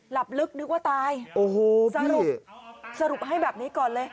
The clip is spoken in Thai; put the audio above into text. หลับลึกนึกว่าตายโอ้โหสรุปสรุปให้แบบนี้ก่อนเลย